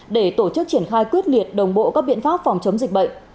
để tổ chức triển khai quyết liệt đồng bộ các biện pháp phòng chống dịch bệnh